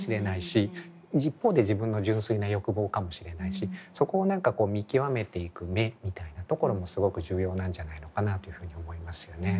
一方で自分の純粋な欲望かもしれないしそこを何か見極めていく目みたいなところもすごく重要なんじゃないのかなというふうに思いますよね。